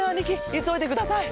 いそいでください。